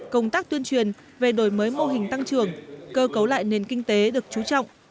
công tác tuyên truyền về đổi mới mô hình tăng trưởng cơ cấu lại nền kinh tế được trú trọng